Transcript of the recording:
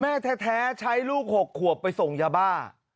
แม่แท้ใช้ลูก๖ขวบไปส่งยาบ้า